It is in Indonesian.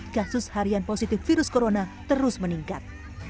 kasus harian positif virus corona terus meningkat